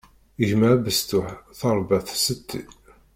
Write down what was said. Gma abesṭuḥ tṛebba-t setti.